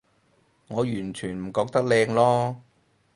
我完全唔覺得靚囉